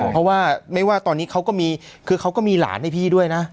เพราะว่าไม่ว่าตอนนี้เขาก็มีคือเขาก็มีหลานให้พี่ด้วยนะ